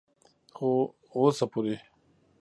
خو اوسه پورې